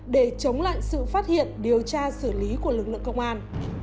để chống lại sự phát hiện điều tra xử lý của lực lượng công an